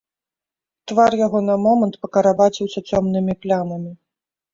Твар яго на момант пакарабаціўся цёмнымі плямамі.